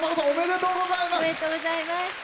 おめでとうございます。